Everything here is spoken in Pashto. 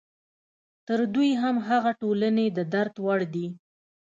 تر دوی هم هغه ټولنې د درد وړ دي.